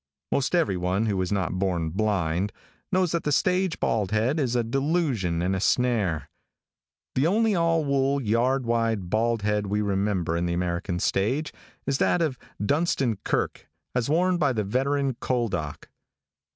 |MOST everyone, who was not born blind, knows that the stage bald head is a delusion and a snare. The only all wool, yard wide bald head we remember on the American stage, is that of Dunstan Kirke as worn by the veteran Couldock.